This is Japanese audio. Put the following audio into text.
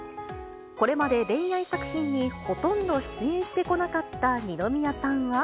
これまで恋愛作品にほとんど出演してこなかった二宮さんは。